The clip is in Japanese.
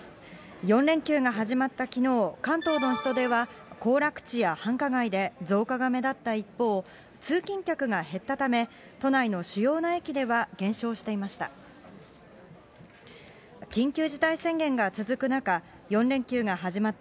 ４連休が始まったきのう、関東の人出は行楽地や繁華街で増加が目立った一方、通勤客が減ったため、都内の主要な駅では減少していました。